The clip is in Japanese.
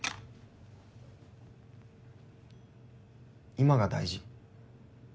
今が大事。